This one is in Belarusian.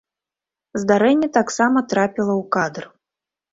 Здарэнне таксама трапіла ў кадр.